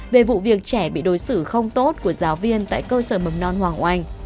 về vụ việc trẻ bị đối xử không tốt của giáo viên tại cơ sở mầm non hoàng oanh